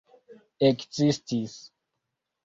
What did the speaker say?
ekzistis